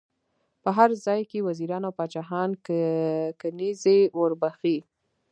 په هر ځای کې وزیران او پاچاهان کنیزي ور بخښي.